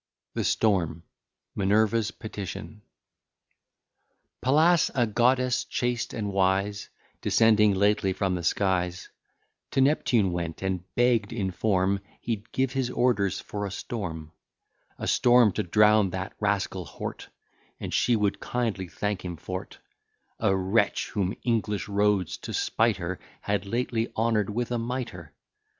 THE STORM MINERVA'S PETITION Pallas, a goddess chaste and wise Descending lately from the skies, To Neptune went, and begg'd in form He'd give his orders for a storm; A storm, to drown that rascal Hort, And she would kindly thank him for't: A wretch! whom English rogues, to spite her, Had lately honour'd with a mitre.